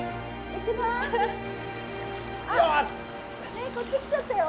・ねえこっち来ちゃったよ。